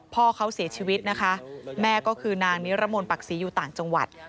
พ่อเขาเสียชีวิตนะคะแม่ก็คือนางนิรมนต์ปักศรีอยู่ต่างจังหวัด